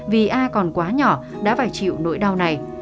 vì ai còn quá nhỏ đã phải chịu nỗi đau này